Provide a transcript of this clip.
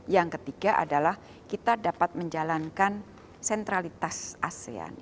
yang ketiga adalah kita dapat menjalankan sentralitas asean